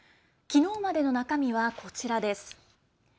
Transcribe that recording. きのうまでの中身は、こちらです。